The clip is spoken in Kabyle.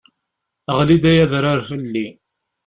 Ɣli-d ay adrar fell-i!